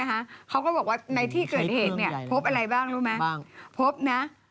อ่อท้ายเถกนาเลยได้แบบนี้หรอ